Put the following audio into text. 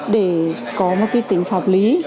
để có một tính phạm lý